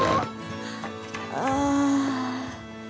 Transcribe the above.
ああ。